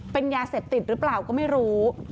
เป็นยาเสพติดหรือเปล่าก็ไม่รู้